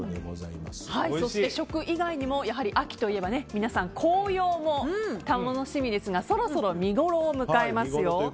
そして、食以外にも秋といえば紅葉も楽しみですがそろそろ見ごろを迎えますよ。